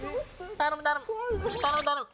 頼む頼む。